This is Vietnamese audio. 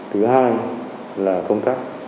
thứ hai là công tác